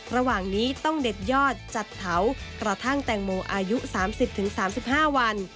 ระหว่างนี้ต้องเด็ดยอดจัดเผากระทั่งแตงโมอายุ๓๐๓๕วัน